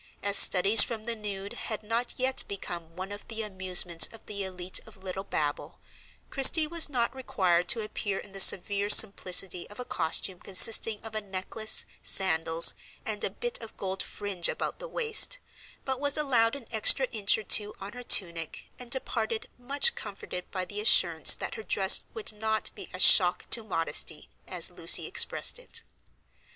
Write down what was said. As studies from the nude had not yet become one of the amusements of the elite of Little Babel, Christie was not required to appear in the severe simplicity of a costume consisting of a necklace, sandals, and a bit of gold fringe about the waist, but was allowed an extra inch or two on her tunic, and departed, much comforted by the assurance that her dress would not be "a shock to modesty," as Lucy expressed it.